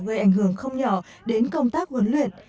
gây ảnh hưởng không nhỏ đến công tác huấn luyện